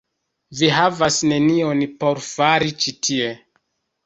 Vi havas nenion por fari ĉi tie.